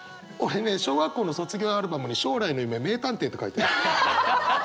俺ね小学校の卒業アルバムに将来の夢名探偵って書いてる。